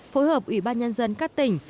phối hợp ủy ban nhân dân các tỉnh